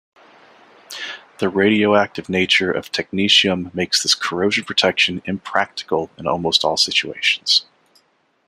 The radioactive nature of technetium makes this corrosion protection impractical in almost all situations.